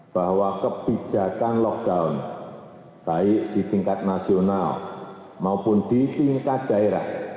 bahwa kebijakan lockdown baik di tingkat nasional maupun di tingkat daerah